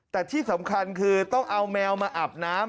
แต่ที่สำคัญคือต้องเอาแมวมาอาบน้ำ